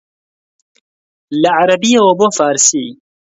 لە عەرەبییەوە بۆ فارسی